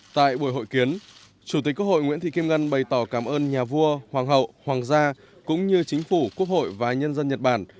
tại buổi hội kiến chủ tịch quốc hội nguyễn thị kim ngân bày tỏ cảm ơn nhà vua hoàng hậu hoàng gia cũng như chính phủ quốc hội và nhân dân nhật bản